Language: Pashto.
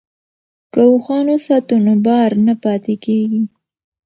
که اوښان وساتو نو بار نه پاتې کیږي.